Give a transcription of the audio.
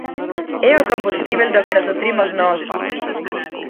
É o combustíbel do que nos nutrimos nós.